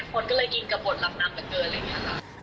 คนก็เลยยิงกระบวนรับนำกันเกิน